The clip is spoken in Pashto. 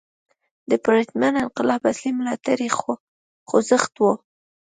د پرتمین انقلاب اصلي ملاتړی خوځښت و.